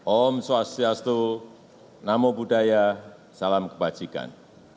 om swastiastu namo buddhaya salam kebajikan